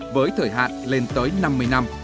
với thời hạn lên tới năm mươi năm